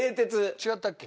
違ったっけ？